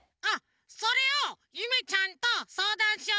それをゆめちゃんとそうだんしようとおもって。